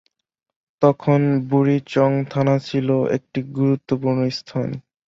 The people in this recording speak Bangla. তখন বুড়িচং থানা ছিল একটি গুরুত্বপূর্ণ স্থান।